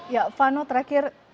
ya fano terakhir